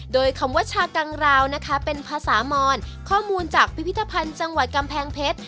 โดยคำว่าชากังราวนะคะเป็นภาษามอนข้อมูลจากพิพิธภัณฑ์จังหวัดกำแพงเพชร